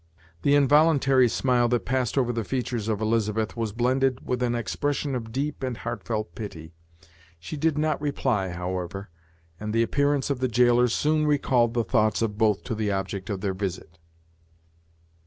The involuntary smile that passed over the features of Elizabeth was blended with an expression of deep and heartfelt pity. She did not reply, however, and the appearance of the jailer soon recalled the thoughts of both to the object of their visit.